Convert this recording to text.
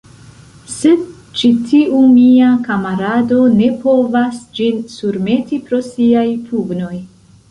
Sed ĉi tiu mia kamarado ne povas ĝin surmeti pro siaj pugnoj.